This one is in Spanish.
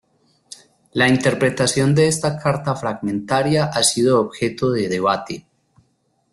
La interpretación de esta carta fragmentaria ha sido objeto de debate.